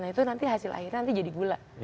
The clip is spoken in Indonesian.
nah itu nanti hasil akhirnya nanti jadi gula